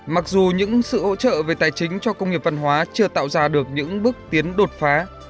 mặc dù những sự hỗ trợ về tài chính cho công nghiệp văn hóa chưa tạo ra được những bước tiến đột phá